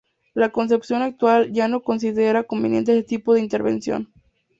La concepción actual ya no considera conveniente este tipo de intervención.